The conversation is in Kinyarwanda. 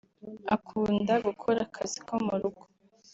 Akunda gukora akazi ko mu rugo